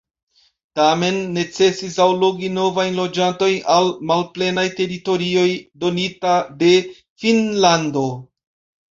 Tamen necesis allogi novajn loĝantojn al malplenaj teritorioj donita de Finnlando.